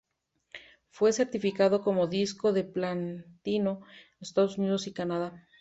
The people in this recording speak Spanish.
Fue certificado como disco de platino en los Estados Unidos y Canadá.